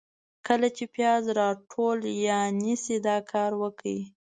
کله چي پیاز راټول یا رانیسئ ، دا کار وکړئ: